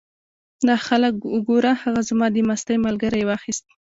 دا خلک وګوره! هغه زما د مستۍ ملګری یې واخیست.